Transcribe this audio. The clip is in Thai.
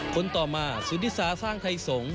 คนต่อมาสุธิสาสร้างไทยสงฆ